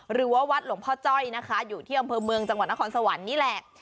หรือว่าวัดหลวงพ่อจ้อยนะคะอยู่ที่อำเภอเมืองจังหวัดนครสวรรค์นี่แหละ